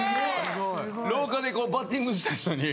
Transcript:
廊下でバッティングした人に。